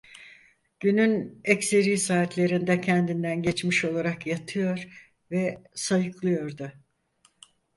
Günün ekseri saatlerinde kendinden geçmiş olarak yatıyor ve sayıklıyordu.